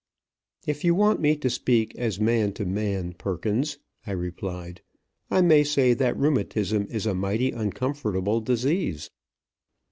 "If you want me to speak as man to man, Perkins," I replied, "I may say that rheumatism is a mighty uncomfortable disease."